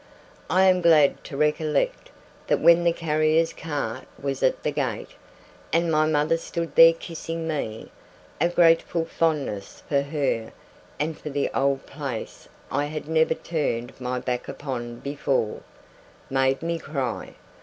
I am glad to recollect that when the carrier's cart was at the gate, and my mother stood there kissing me, a grateful fondness for her and for the old place I had never turned my back upon before, made me cry.